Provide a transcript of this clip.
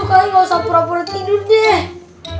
aduh kalian gak usah pura pura tidurnya ya